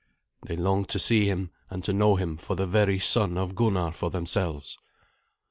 They longed to see him, and to know him for the very son of Gunnar for themselves.